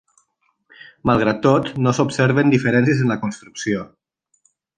Malgrat tot no s'observen diferències en la construcció.